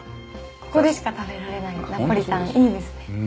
ここでしか食べられないナポリタンいいですね。